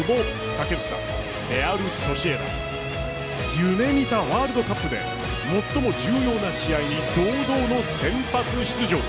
夢見たワールドカップで最も重要な試合に堂々の先発出場。